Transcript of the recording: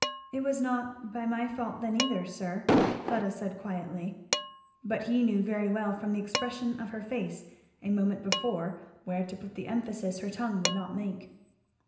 "It was not by my fault then either, sir," Fleda said quietly. But he knew very well from the expression of her face a moment before where to put the emphasis her tongue would not make.